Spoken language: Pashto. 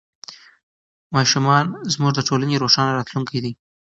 ماشومان زموږ د ټولنې روښانه راتلونکی دی.